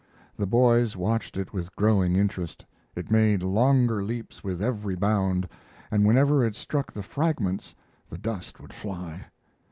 The boys watched it with growing interest. It made longer leaps with every bound, and whenever it struck the fragments the dust would fly.